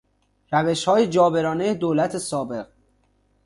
روشهای جابرانهی دولت سابق